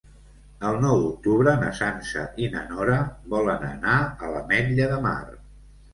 El nou d'octubre na Sança i na Nora volen anar a l'Ametlla de Mar.